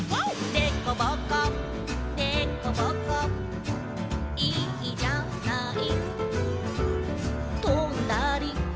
「でこぼこでこぼこいいじゃない」